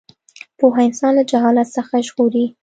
پوهه انسان له جهالت څخه ژغوري.